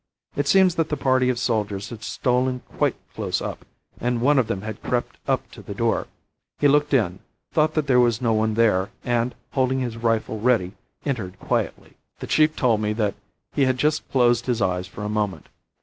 It seems that the party of soldiers had stolen quite close up, and one of them had crept up to the door. He looked in, thought there was no one there, and, holding his rifle ready, entered quietly. The chief told me that he had just closed his eyes for a moment.